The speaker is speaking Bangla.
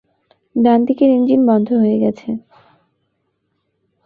ডানদিকের ইঞ্জিন বন্ধ হয়ে গেছে!